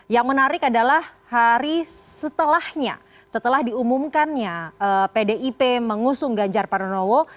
yang menarik adalah hari setelahnya setelah diumumkannya pdip mengusung ganjar paranowo